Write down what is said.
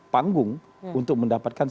panggung untuk mendapatkan